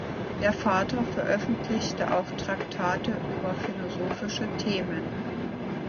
Der Vater veröffentlichte auch Traktate über philosophische Themen.